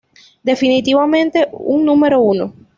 Definitivamente un número uno.